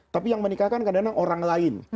tapi yang menikahkan kadang kadang orang lain